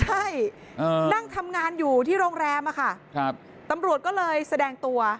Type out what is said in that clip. ใช่นั่งทำงานอยู่ที่โรงแรมอะค่ะครับตำรวจก็เลยแสดงตัว